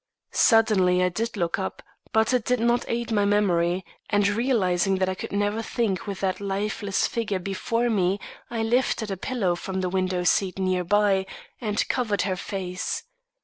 "Suddenly I did look up, but it did not aid my memory; and, realising that I could never think with that lifeless figure before me, I lifted a pillow from the window seat near by and covered her face.